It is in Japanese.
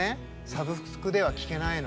サブスクでは聴けないの。